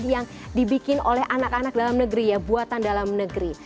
yang dibikin oleh anak anak dalam negeri ya buatan dalam negeri